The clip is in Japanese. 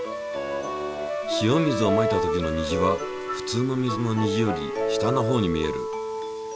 塩水をまいた時の虹はふつうの水の虹より下の方に見える。